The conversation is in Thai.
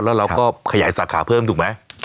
แล้วเราก็ขยายสาขาเพิ่มถูกไหม